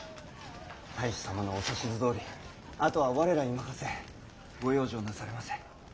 太守様のお指図どおりあとは我らに任せご養生なされませ。